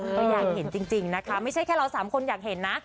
ก็อยากเห็นจริงนะคะไม่ใช่แค่เราสามคนอยากเห็นนะ